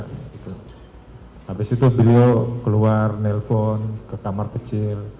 habis itu beliau keluar nelpon ke kamar kecil